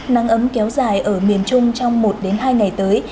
nắng ấm kéo dài ở miền trung trong một hai ngày tới